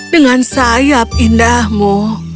dengan sayap indahmu